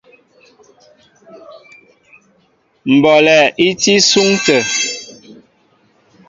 Mbɔlɛ í tí isúŋ atə̂.